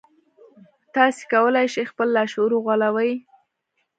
تاسې کولای شئ خپل لاشعور وغولوئ